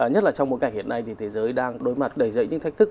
nhất là trong mối cảnh hiện nay thì thế giới đang đối mặt đầy dậy những thách thức